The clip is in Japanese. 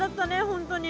本当に。